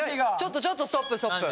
ちょっとちょっとストップ。